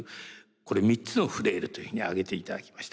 これ３つのフレイルというふうに挙げていただきましたが。